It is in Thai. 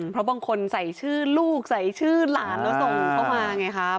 เพราะบางคนใส่ชื่อลูกใส่ชื่อหลานแล้วส่งเข้ามาไงครับ